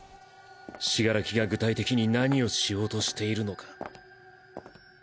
死柄木が具体的に何をしようとしているのか。